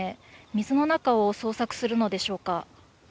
水の中を捜索するのでしょうか。